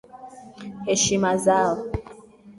Heshima zao.